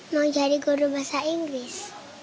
mau jadi guru bahasa inggris